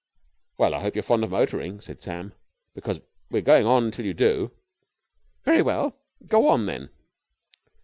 "Well, I hope you're fond of motoring," said Sam, "because we're going on till you do." "Very well! Go on, then!"